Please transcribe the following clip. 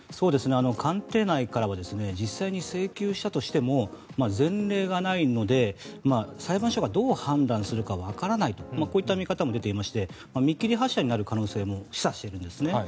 官邸内からは実際に請求したとしても前例がないので裁判所がどう判断するかわからないとこういった見方も出ていまして見切り発車になる可能性も示唆しているんですね。